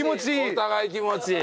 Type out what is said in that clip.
お互い気持ちいい。